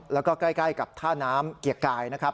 แล้วก็ใกล้กับท่าน้ำเกียรกายนะครับ